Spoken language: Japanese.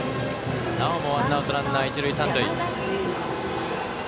なおもワンアウト、ランナー、一塁三塁。